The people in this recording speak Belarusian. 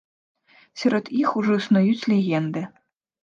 Сярод іх ужо існуюць легенды.